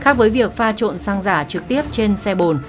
khác với việc pha trộn xăng giả trực tiếp trên xe bồn